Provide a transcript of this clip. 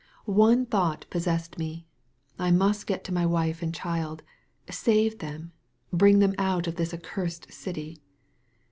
One thought possessed me. I must get to my wife and child, save them, bring them out of this accursed city.